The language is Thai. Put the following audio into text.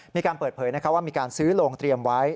มีการเปิดเผยว่ามีการซื้อโรงเตรียมไว้